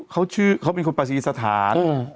เขาชื่อเขาเป็นคนประสีสถาน